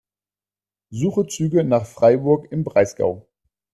Suche Züge nach Freiburg im Breisgau.